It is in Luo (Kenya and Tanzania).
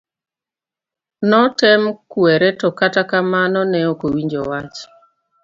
Notem kwere to kata kamano ne okowinjo wach.